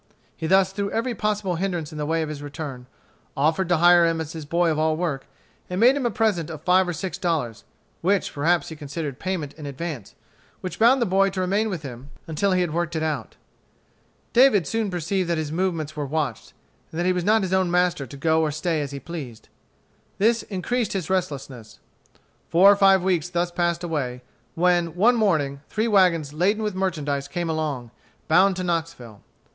He thus threw every possible hindrance in the way of his return, offered to hire him as his boy of all work, and made him a present of five or six dollars, which perhaps he considered payment in advance, which bound the boy to remain with him until he had worked it out. David soon perceived that his movements were watched, and that he was not his own master to go or stay as he pleased. This increased his restlessness. Four or five weeks thus passed away, when, one morning, three wagons laden with merchandise came along, bound to Knoxville.